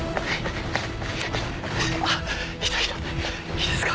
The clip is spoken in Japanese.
いいですか？